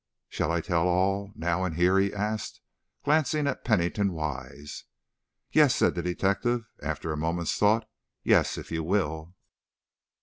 "Shall I tell all, now and here?" he asked, glancing at Pennington Wise. "Yes," said the detective, after a moment's thought. "Yes, if you will."